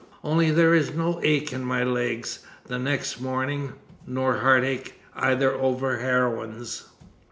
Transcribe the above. Only there is no ache in my legs the next morning. Nor heartache either over heroines.